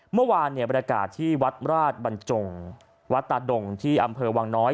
เมื่อวานเนี่ยบรรยากาศที่วัดราชบรรจงวัดตาดงที่อำเภอวังน้อย